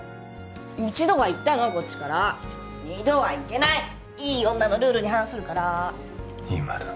一度はいったのこっちから二度はいけないいい女のルールに反するから今どき